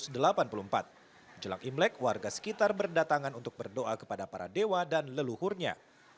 jelang imlek warga sekitar berdatangan untuk berdoa kepada para dewa dan leluhurnya